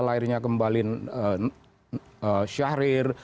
lahirnya kembali syahrir